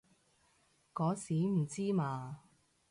嗰時唔知嘛